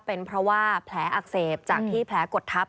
เป็นเพราะว่าแผลอักเสบจากที่แผลกดทับ